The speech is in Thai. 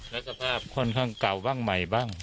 และสภาพค่อนข้างเก่าบ้างใหม่บ้าง